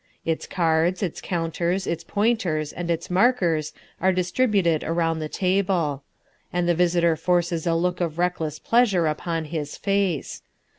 Its cards, its counters, its pointers and its markers are distributed around the table, and the visitor forces a look of reckless pleasure upon his face.